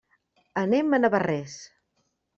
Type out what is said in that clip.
Anem a Navarrés.